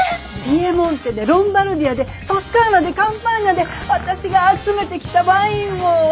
ピエモンテでロンバルディアでトスカーナでカンパーニャで私が集めてきたワインを。